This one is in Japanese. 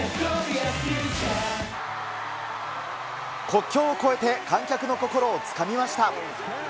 国境を越えて、観客の心をつかみました。